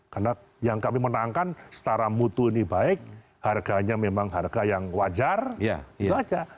karena yang kami menaangkan setara mutu ini baik harganya memang harga yang wajar itu aja